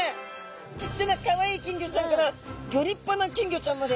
ちっちゃなかわいい金魚ちゃんからギョ立派な金魚ちゃんまで。